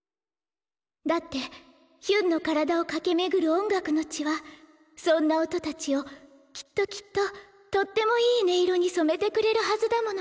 だってヒュンの体を駆け巡る音楽の血はそんな音たちをきっときっととってもいい音色に染めてくれるはずだもの。